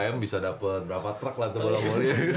ya tiga m bisa dapet berapa truk lah itu bola volley